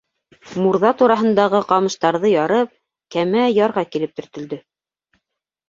Мурҙа тураһындағы ҡамыштарҙы ярып, кәмә ярға килеп төртөлдө.